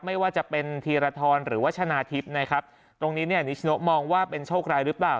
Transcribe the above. ไม่ว่าจะเป็นธีรทรหรือว่าชนะทิพย์นะครับตรงนี้เนี่ยนิชโนมองว่าเป็นโชคร้ายหรือเปล่า